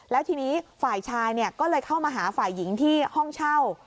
แล้วทีนี้ฝ่ายชายก็เลยเข้ามาหาฝ่ายหญิงที่ห้องเช่า